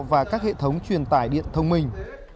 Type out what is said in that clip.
và các hệ thống truyền tải điện thông minh